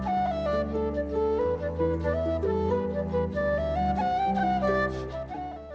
terlepas dari potensi penularan covid sembilan belas